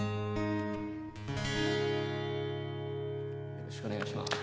よろしくお願いします。